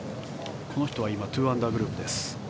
この人は今２アンダーグループ。